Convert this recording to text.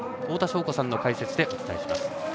太田渉子さんの解説でお伝えします。